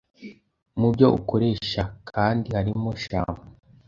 Mu byo ukoresha kandi harimo shampoo